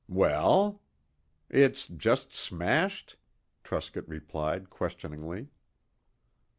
"Well?" "It's just smashed?" Truscott replied questioningly.